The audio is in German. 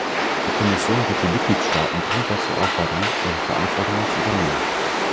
Die Kommission wird die Mitgliedstaaten dringend dazu auffordern, ihre Verantwortungen zu übernehmen.